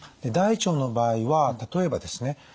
大腸の場合は例えばですね